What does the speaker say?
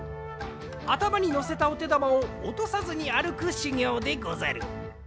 あたまにのせたおてだまをおとさずにあるくしゅぎょうでござる。